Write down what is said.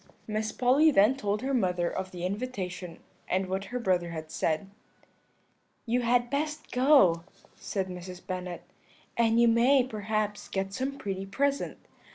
"Miss Polly then told her mother of the invitation and what her brother had said. "'You had best go,' said Mrs. Bennet, 'and you may, perhaps, get some pretty present.